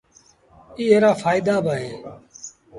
ايئي رآ ڦآئيدآ با اهيݩ